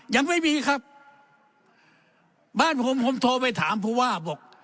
ยังไม่มีครับบ้านผมผมโทรไปถามผู้ว่าบอก